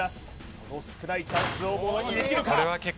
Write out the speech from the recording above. その少ないチャンスをものにできるか？